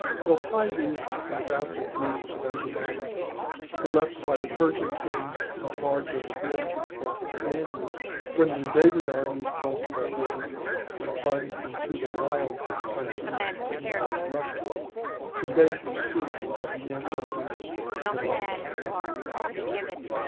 Miltiades and the vassal Greeks of Asia Minor were left by the Persian king in charge of the bridge across the Danube, when the invading army crossed that river, and plunged into the wilds of the country that now is Russia, in vain pursuit of the ancestors of the modern Cossacks.